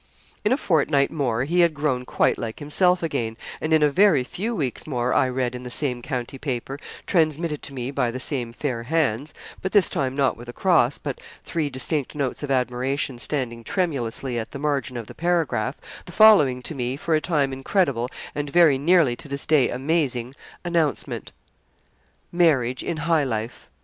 In a fortnight more he had grown quite like himself again; and in a very few weeks more, I read in the same county paper, transmitted to me by the same fair hands, but this time not with a cross, but three distinct notes of admiration standing tremulously at the margin of the paragraph, the following to me for a time incredible, and very nearly to this day amazing, announcement: 'MARRIAGE IN HIGH LIFE.